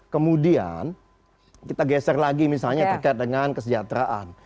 kemudian kita geser lagi misalnya terkait dengan kesejahteraan